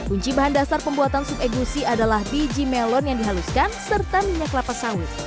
kunci bahan dasar pembuatan sup egusi adalah biji melon yang dihaluskan serta minyak kelapa sawit